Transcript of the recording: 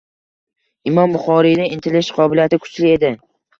Imom Buxoriyda intilish, qobiliyat kuchli edi.